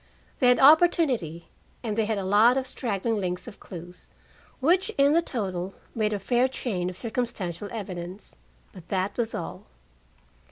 They had opportunity, and they had a lot of straggling links of clues, which in the total made a fair chain of circumstantial evidence. But that was all.